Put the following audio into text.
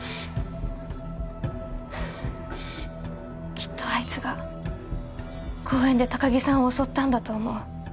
きっとあいつが公園で高城さんを襲ったんだと思う。